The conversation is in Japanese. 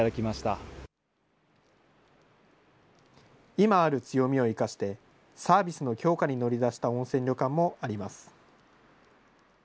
今ある強みを生かして、サービスの強化に乗り出した温泉旅館もあります。